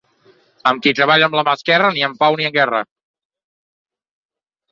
Amb qui treballa amb la mà esquerra, ni en pau ni en guerra.